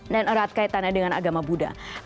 dan erat kaitannya dengan agama buddha